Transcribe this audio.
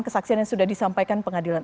kesaksian yang sudah disampaikan pengadilan